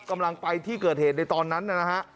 กำลังไปที่เกิดเหตุในตอนนั้นนะฮะ